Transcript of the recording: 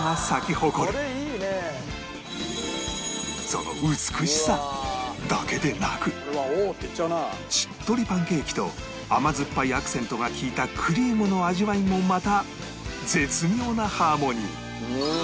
その美しさだけでなくしっとりパンケーキと甘酸っぱいアクセントが利いたクリームの味わいもまた絶妙なハーモニー